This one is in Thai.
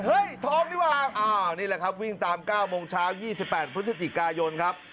ทองดีกว่านี่แหละครับวิ่งตาม๙โมงเช้า๒๘พฤศจิกายนครับ